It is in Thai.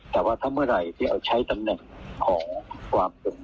แต่ว่าทำอะไรที่เอาใช้ตำแหน่งของความผิด